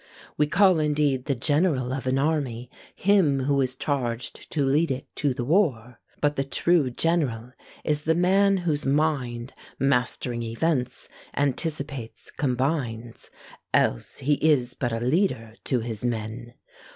We call indeed the general of an army Him who is charged to lead it to the war; But the true general is the man whose mind, Mastering events, anticipates, combines; Else is he but a leader to his men!